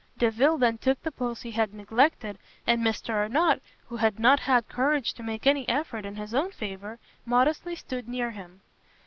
Delvile then took the post he had neglected, and Mr Arnott, who had not had courage to make any effort in his own favour, modestly stood near him.